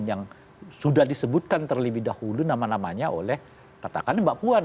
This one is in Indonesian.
yang sudah disebutkan terlebih dahulu nama namanya oleh katakan mbak puan